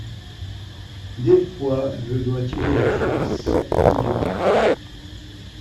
Des fois je dois tirer la chasse plusieurs fois.